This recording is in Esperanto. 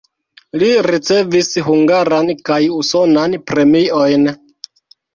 Li ricevis hungaran kaj usonan premiojn.